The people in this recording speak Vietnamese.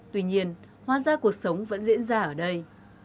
tuy nhiên hoa gia cuộc sống vẫn diễn ra ở đây